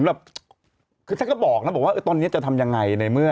สักครู่แล้วบอกนะว่าตอนนี้จะทำยังไงในเมื่อ